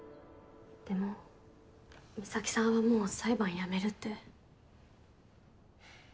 でも美咲さんはもう裁判やめるって。